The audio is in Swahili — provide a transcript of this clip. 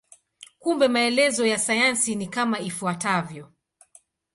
Kumbe maelezo ya sayansi ni kama ifuatavyo.